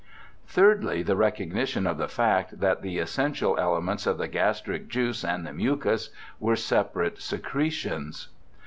Thirdly, the recognition of the fact that the essential elements of the gastric juice and the mucus were separate secretions.